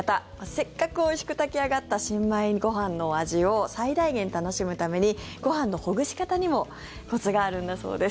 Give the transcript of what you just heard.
せっかくおいしく炊き上がった新米ご飯の味を最大限楽しむためにご飯のほぐし方にもコツがあるんだそうです。